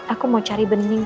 aku mau cari bening